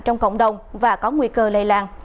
trong cộng đồng và có nguy cơ lây lan